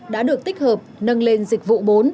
đã được tích hợp nâng lên dịch vụ bốn